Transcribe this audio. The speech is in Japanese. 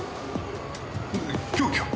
凶器は？